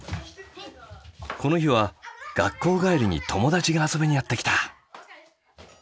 この日は学校帰りに友達が遊びにやって来た。